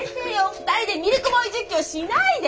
２人でミルクボーイ実況しないで！